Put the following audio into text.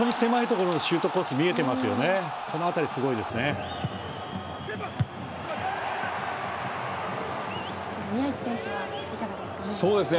この辺り、すごいですね。